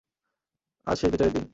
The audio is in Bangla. আজ শেষ বিচারের দিন!